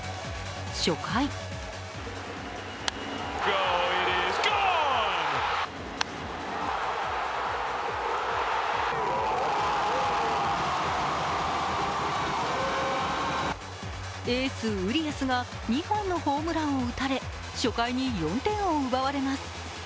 初回エース・ウリアスが２本のホームランを打たれ初回に４点を奪われます。